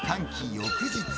翌日。